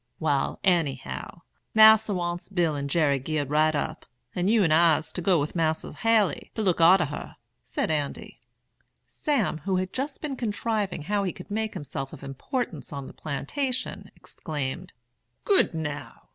"'Wal, anyhow, Mas'r wants Bill and Jerry geared right up; and you and I's to go with Mas'r Haley, to look arter her,' said Andy. "Sam, who had just been contriving how he could make himself of importance on the plantation, exclaimed: 'Good, now!